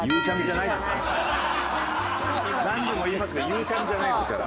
何度も言いますけどゆうちゃみじゃないですから。